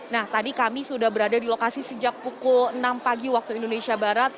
nah tadi kami sudah berada di lokasi sejak pukul enam pagi waktu indonesia barat